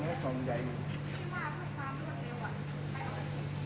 อันนู้ก็เดี๋ยวใช้ห่วงหนักกันได้ไหม